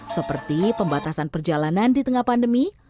seperti pembatasan perjalanan di tengah pandemi